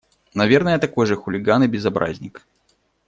Наверное, такой же хулиган и безобразник.